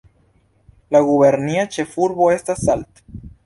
La gubernia ĉefurbo estas Salt.